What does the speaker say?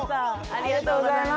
ありがとうございます。